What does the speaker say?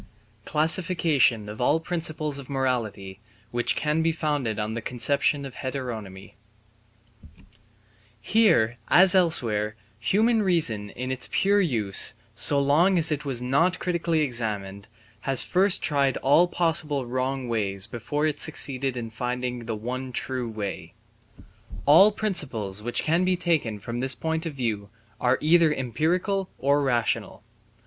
Classification of all Principles of Morality which can be founded on the Conception of Heteronomy Here as elsewhere human reason in its pure use, so long as it was not critically examined, has first tried all possible wrong ways before it succeeded in finding the one true way. All principles which can be taken from this point of view are either empirical or rational.